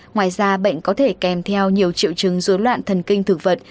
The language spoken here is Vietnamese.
ngoài ra bệnh có thể kèm theo nhiều triệu chứng dối loạn thần kinh thực vật